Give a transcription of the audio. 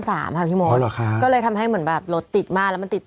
สามค่ะพี่โมสก็เลยทำให้เหมือนแบบรถติดมาแล้วมันติด